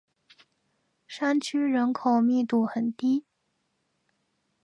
山区人口密度很低。